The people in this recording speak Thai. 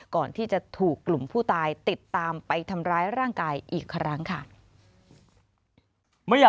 ก่อนที่จะถูกกลุ่มผู้ตายติดตามไปทำร้ายร่างกายอีกครั้งค่ะ